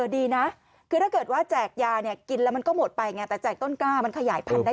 ดีนะคือถ้าเกิดว่าแจกยาเนี่ยกินแล้วมันก็หมดไปไงแต่แจกต้นกล้ามันขยายพันธุได้